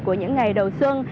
của những ngày đầu xuân